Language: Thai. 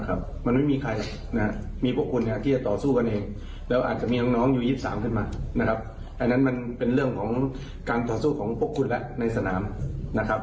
อันนั้นมันเป็นเรื่องของการต่อสู้ของพวกคุณแล้วในสนามนะครับ